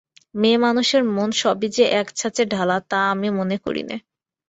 মেয়েমানুষের মন সবই যে এক-ছাঁচে-ঢালা তা আমি মনে করি নে।